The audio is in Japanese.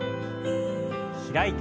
開いて。